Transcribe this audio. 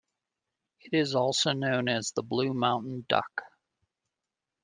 It is also known as the Blue Mountain duck.